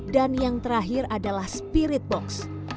dan yang terakhir adalah spirit box